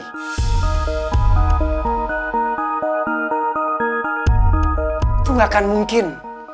itu gak akan mungkin